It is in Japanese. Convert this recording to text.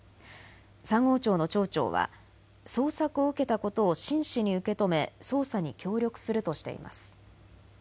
三郷町の町長は捜索を受けたことを真摯に受け止め捜査に協力するとしています。